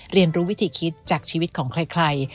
เรียนรู้วิธีคิดจากชีวิตของใคร